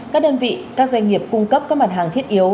các đơn vị các doanh nghiệp cung cấp các mặt hàng thiết yếu